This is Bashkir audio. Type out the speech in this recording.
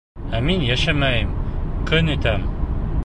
— Ә мин йәшәмәйем, көн итәм.